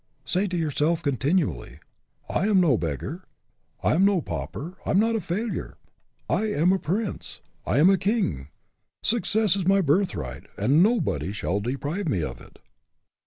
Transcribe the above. Say to yourself contin ually: " I am no beggar. I am no pauper. I am not a failure. I am a prince. I am a king. Success is my birthright, and nobody shall deprive me of it."